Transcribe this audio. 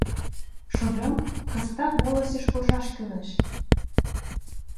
— Шольым, кызытак волостьыш куржаш кӱлеш.